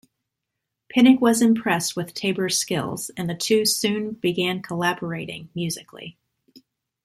Pinnick was impressed with Tabor's skills and the two soon began collaborating musically.